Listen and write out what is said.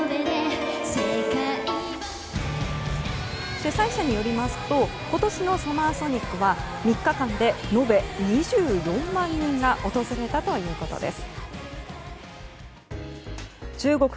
主催者によりますと今年のＳＵＭＭＥＲＳＯＮＩＣは３日間で延べ２４万人が訪れたということです。